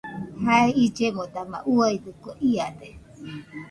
Jae illemo dama uiadɨkue iade.